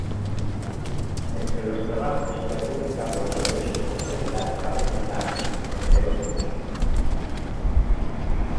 Entre los trabajos que ha publicado sobre su especialidad cabe citar, entre otros.